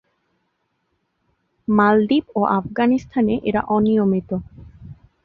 মালদ্বীপ ও আফগানিস্তানে এরা অনিয়মিত।